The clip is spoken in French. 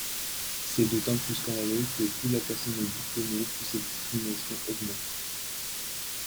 C’est d’autant plus scandaleux que plus la personne est diplômée, plus cette discrimination augmente.